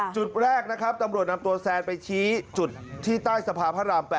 จุดแรกนะครับตำรวจนำตัวแซนไปชี้จุดที่ใต้สะพานพระราม๘